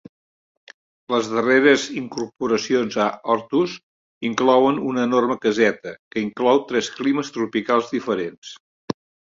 Les darreres incorporacions a Hortus inclouen una enorme caseta, que inclou tres climes tropicals diferents.